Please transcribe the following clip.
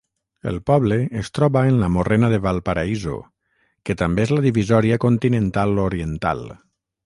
El poble es troba en la morrena de Valparaíso, que també és la Divisòria continental oriental.